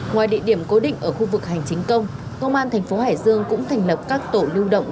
ngoài địa điểm cố định ở khu vực hành chính công công an thành phố hải dương cũng thành lập các tổ lưu động